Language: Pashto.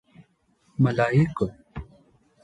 _ملايکو!